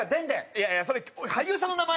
いやいやそれ俳優さんの名前！